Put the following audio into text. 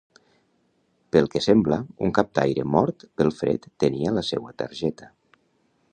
Pel que sembla, un captaire mort pel fred tenia la seua targeta.